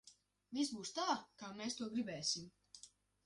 Viss būs tā, kā mēs to gribēsim!